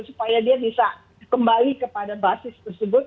supaya dia bisa kembali kepada basis tersebut